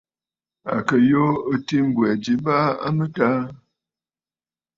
À kɨ̀ yùû ɨ̀tǐ mbwɛ̀ ji baa a mɨtaa.